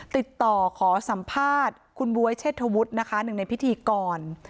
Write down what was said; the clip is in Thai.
ติดต่อขอสัมภาษณ์คุณบ๊วยเชษฐวุฒินะคะหนึ่งในพิธีกร